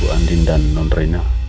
bu andin dan non rena ktpu